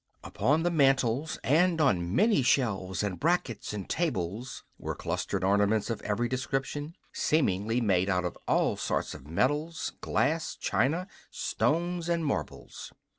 Upon the mantels, and on many shelves and brackets and tables, were clustered ornaments of every description, seemingly made out of all sorts of metals, glass, china, stones and marbles.